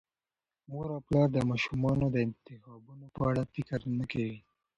مور او پلار د ماشومانو د انتخابونو په اړه فکر نه کوي.